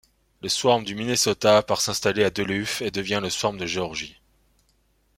Le Swarm du Minnesota par s'installer à Duluth et devient le Swarm de Géorgie.